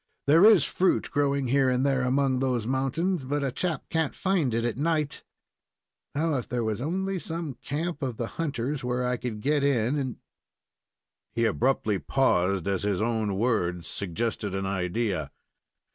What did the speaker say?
There is fruit growing here and there among those mountains, but a chap can't find it at night. Now, if there was only some camp of the hunters, where I could get in and " He abruptly paused, as his own words suggested an idea.